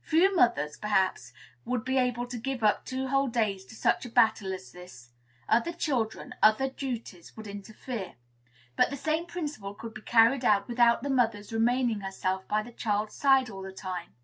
Few mothers, perhaps, would be able to give up two whole days to such a battle as this; other children, other duties, would interfere. But the same principle could be carried out without the mother's remaining herself by the child's side all the time.